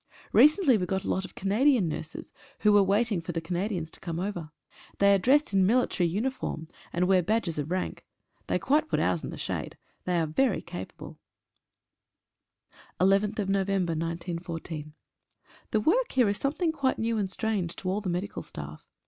Recently we got a lot of Canadian nurses who were waiting for the Canadians to come over. They are dressed in mili tary uniform, and wear badges of rank. They quite put ours in the shade. They are very capable. HE work here is something quite new and strange to all the medical staff.